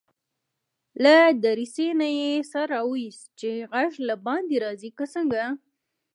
له دريڅې نه يې سر واېست چې غږ له باندي راځي که څنګه.